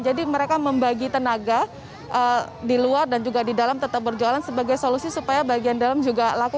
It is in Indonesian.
jadi mereka membagi tenaga di luar dan juga di dalam tetap berjualan sebagai solusi supaya bagian dalam juga laku